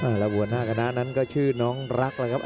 อ่าแล้วบัวหน้ากานะนั้นก็ชื่อน้องรักเลยครับ